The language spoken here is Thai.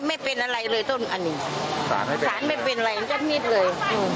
ไม่เป็นอะไรเลยต้นอันนี้สารไม่เป็นอะไรสารไม่เป็นอะไรจัดมิดเลย